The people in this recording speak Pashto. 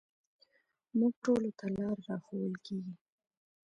موږ ټولو ته لاره راښوول کېږي.